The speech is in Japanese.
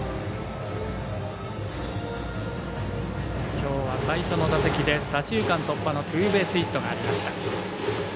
きょうは最初の打席で左中間突破のツーベースヒットがありました。